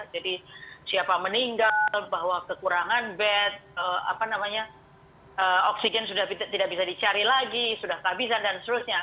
jadi siapa meninggal bahwa kekurangan bed oksigen sudah tidak bisa dicari lagi sudah habisan dan seterusnya